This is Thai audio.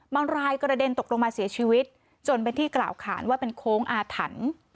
รายกระเด็นตกลงมาเสียชีวิตจนเป็นที่กล่าวขานว่าเป็นโค้งอาถรรพ์